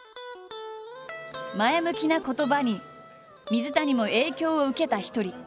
前向きな言葉に水谷も影響を受けた一人。